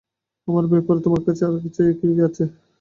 ভালো ব্যাপার হচ্ছে তোমার কাছে তার চেয়ে ভালো কিছু আছে।